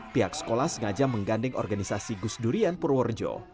pihak sekolah sengaja menggandeng organisasi gusdurian purwarjo